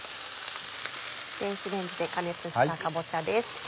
電子レンジで加熱したかぼちゃです。